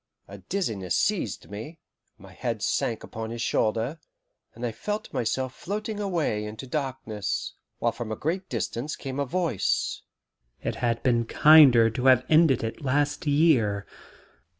A dizziness seized me, my head sank upon his shoulder, and I felt myself floating away into darkness, while from a great distance came a voice: "It had been kinder to have ended it last year."